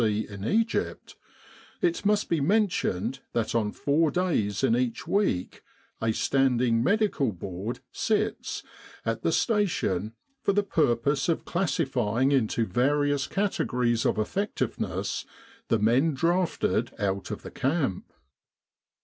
C. in Egypt, it must be mentioned that on four days in each week a Standing Medical Board "sits" at the station for the purpose of classifying into various categories of effectiveness the men drafted out of the camp.